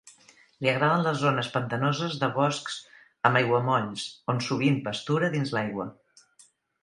Li agraden les zones pantanoses de boscs amb aiguamolls, on sovint pastura dins l'aigua.